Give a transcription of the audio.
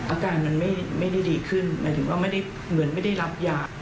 อาการมันไม่ได้ดีขึ้นหมายถึงว่าไม่ได้เหมือนไม่ได้รับยา